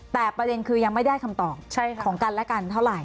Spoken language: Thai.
แต่ประเด็นคือยังไม่ได้คำตอบของกันและกันเท่าไหร